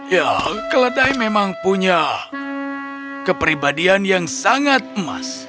ya keledai memang punya kepribadian yang sangat emas